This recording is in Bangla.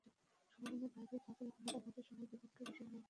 সম্মেলনের বাইরে তোফায়েল আহমেদ অন্যদের সঙ্গে দ্বিপক্ষীয় বিষয় নিয়েও আলাপ করেন।